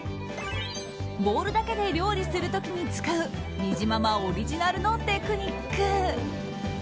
ボウルだけで料理する時に使うにじままオリジナルのテクニック。